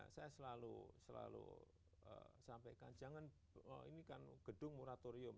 saya selalu sampaikan jangan ini kan gedung moratorium